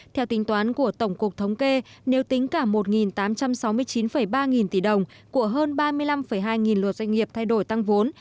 theo tính toán của tổng cục thống kê nếu tính cả một tám trăm sáu mươi chín ba nghìn tỷ đồng của hơn ba mươi năm hai nghìn lượt doanh nghiệp thay đổi tăng vốn